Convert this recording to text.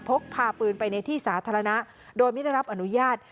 พกพาปืนไปในที่สาธารณะโดยไม่ได้รับอนุญาต